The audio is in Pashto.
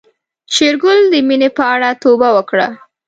شېرګل د مينې په اړه توبه وکړه.